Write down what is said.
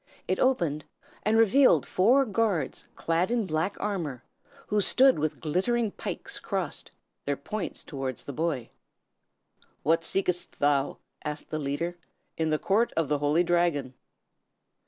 It opened, and revealed four guards clad in black armor, who stood with glittering pikes crossed, their points towards the boy. "What seekest thou," asked the leader, "in the court of the Holy Dragon?"